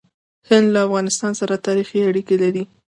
هند له افغانستان سره تاریخي اړیکې لري.